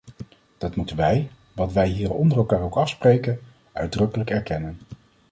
Dat moeten wij, wat wij hier onder elkaar ook afspreken, uitdrukkelijk erkennen.